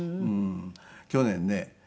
去年ね